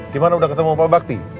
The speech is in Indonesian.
gimana udah ketemu pak bakti